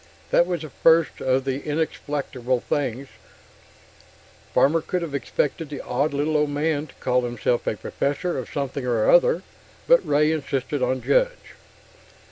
That was the first of the inexplicable things; Farmer would have expected the odd little old man to call himself a professor of something or other. But Ray insisted on Judge.